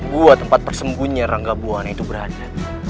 gua tempat persembunyian raga buana itu berada